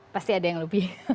pasti ada yang lebih